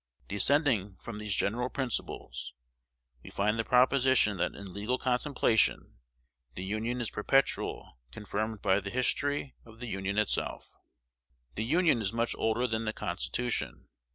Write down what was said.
Descending from these general principles, we find the proposition that in legal contemplation the Union is perpetual confirmed by the history of the Union itself. The Union is much older than the Constitution.